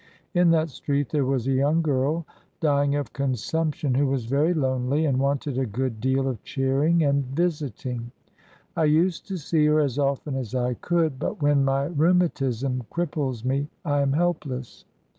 In that street there was a young girl dying of consumption who was very lonely, and wanted a good deal of cheering and visiting. I used to see her as often as I could; but when my rheumatism cripples me I am helpless.